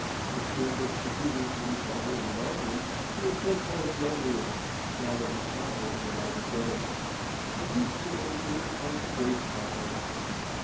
If she had looked a beauty when he saw her in the mountain she was ten times lovelier, now that he saw her in the light of day. The Prince could only gape and gape at her.